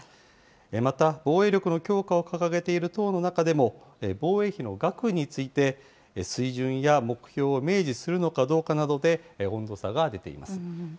また、防衛力の強化を掲げている党の中でも、防衛費の額について、水準や目標を明示するのかどうかなどで、温度差が出ています。